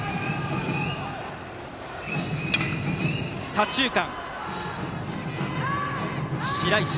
左中間、白石。